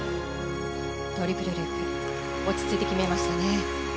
トリプルループ落ち着いて決めました。